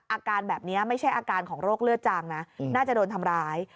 อาการแบบนี้ไม่ใช่อาการของโรคเลือดจางนะน่าจะโดนทำร้าย